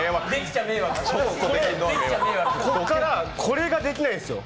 ここから、これができないんですよ。